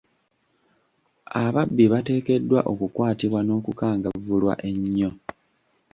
Ababbi bateekeddwa okukwatibwa n'okukangavvulwa ennyo.